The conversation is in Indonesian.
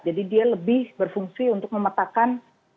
jadi dia lebih berfungsi untuk memetakan